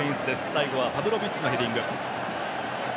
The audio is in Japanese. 最後はパブロビッチのヘディング。